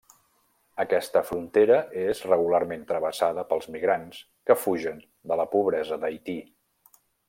Aquesta frontera és regularment travessada pels migrants que fugen de la pobresa d'Haití.